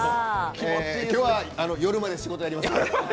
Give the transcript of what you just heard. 今日は夜まで仕事やります。